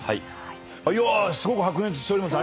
いやすごく白熱しております。